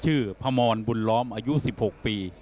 ชื่อพามอนบุ้นล้อมอายุ๑๖ปี